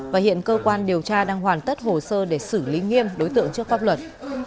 và hiện cơ quan điều tra đang hoàn tất hồ sơ để xử lý nghiêm đối tượng trước pháp luật